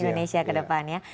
indonesia ke depannya